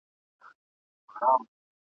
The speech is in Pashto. په سینه او ټول وجود کي یې سوې څړیکي ..